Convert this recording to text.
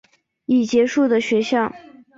已结束的学校